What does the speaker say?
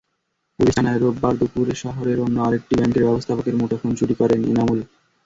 Police জানায়, রোববার দুপুরে শহরের অন্য আরেকটি ব্যাংকের ব্যবস্থাপকের মুঠোফোন চুরি করেন এনামুল।